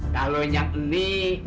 kalau yang ini